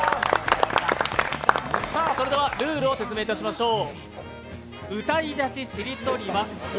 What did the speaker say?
それでは、ルールを説明いたしましょう。